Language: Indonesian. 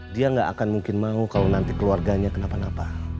dia gak akan mungkin mau kalau nanti keluarganya kenapa napa